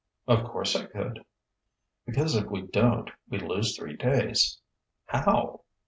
"Of course I could." "Because if we don't, we lose three days...." "How?"